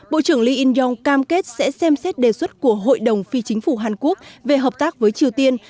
bộ trưởng lee in yong cam kết sẽ xem xét đề xuất của hội đồng phi chính phủ hàn quốc về hợp tác với triều tiên